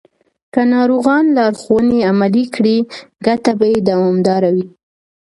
که ناروغان لارښوونې عملي کړي، ګټه به یې دوامداره وي.